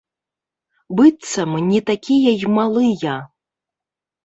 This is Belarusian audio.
Быццам, не такія і малыя.